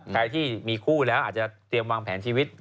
ใครที่มีคู่แล้วอาจจะเตรียมวางแผนชีวิต